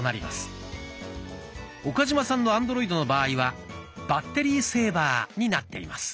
岡嶋さんのアンドロイドの場合は「バッテリーセーバー」になっています。